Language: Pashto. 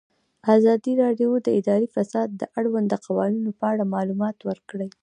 ازادي راډیو د اداري فساد د اړونده قوانینو په اړه معلومات ورکړي.